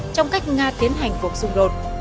trong cách nga tiến hành cuộc xung đột